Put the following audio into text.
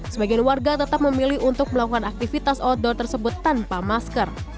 sebagian warga tetap memilih untuk melakukan aktivitas outdoor tersebut tanpa masker